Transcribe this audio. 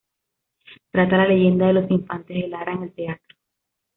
Trata la leyenda de los Infantes de Lara en el teatro.